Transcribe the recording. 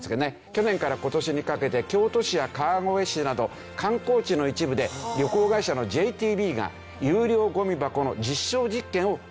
去年から今年にかけて京都市や川越市など観光地の一部で旅行会社のＪＴＢが有料ゴミ箱の実証実験を行ってるんですね。